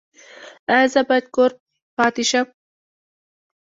ایا زه باید کور پاتې شم؟